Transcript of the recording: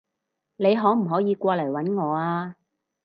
你可唔可以過嚟搵我啊？